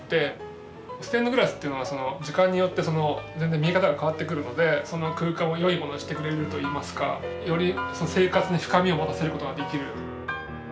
ステンドグラスというのは時間によって全然見え方が変わってくるのでその空間を良いものにしてくれるといいますかより生活に深みを持たせることができる。